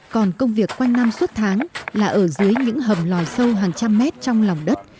còn công việc quanh năm suốt tháng là ở dưới những hầm lòi sâu hàng trăm mét trong lòng đất